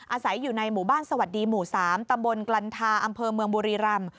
อาศัยอยู่ในหมู่บ้านสวัสดีหมู่๓ตำบลกลันทาอำเภอเมืองบุรีรำ